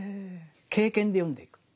経験で読んでいく。